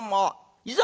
いざ